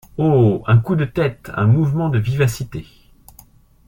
Oh ! un coup de tête, un mouvement de vivacité !